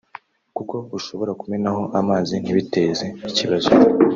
kuko ushobora kumenaho amazi ntibiteze ikibazo